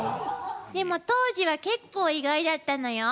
でも当時は結構意外だったのよ。